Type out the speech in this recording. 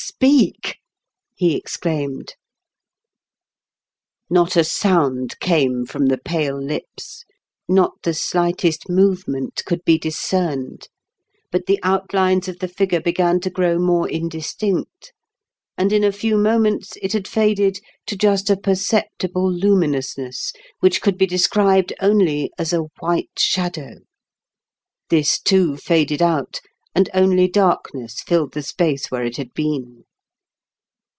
" Speak !" he exclaimed. Not a sound came from the pale lips, not the slightest movement could be discerned; but the outlines of the figure began to grow more indistinct, and in a few moments it had faded to a just perceptible luminousness, which could be described only as a white shadow. This too faded out, and only dark ness filled the space where it had been.